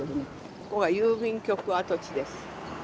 ここは郵便局跡地です。